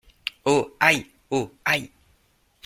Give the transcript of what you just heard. Oh ! aïe ! oh ! aïe !